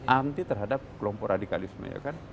anti terhadap kelompok radikalisme